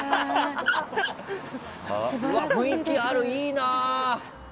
雰囲気ある、いいな！